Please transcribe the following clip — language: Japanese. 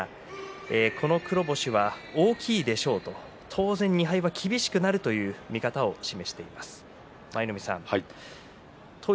昨日後半の審判長を務めましたがこの黒星は大きいでしょう当然２敗は厳しくなるという見方を示しています。